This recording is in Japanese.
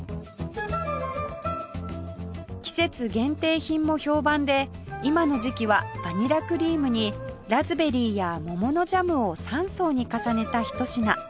季節限定品も評判で今の時期はバニラクリームにラズベリーや桃のジャムを３層に重ねたひと品